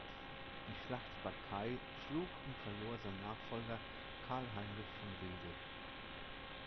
Die Schlacht bei Kay schlug und verlor sein Nachfolger Carl Heinrich von Wedel.